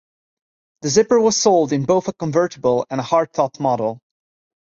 The Zipper was sold in both a convertible and a hardtop model.